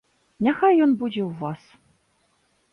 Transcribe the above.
Няхай ён будзе ў вас.